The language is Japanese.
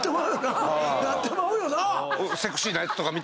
なってまうよな！